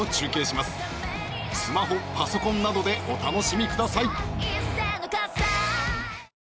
スマホパソコンなどでお楽しみください。